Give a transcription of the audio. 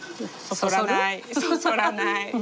そそらない。